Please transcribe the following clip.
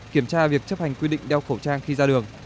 kiểm tra việc chấp hành quy định đeo khẩu trang khi ra đường